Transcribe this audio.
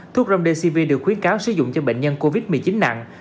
thuốc remdcv được khuyến cáo sử dụng cho bệnh nhân covid một mươi chín nặng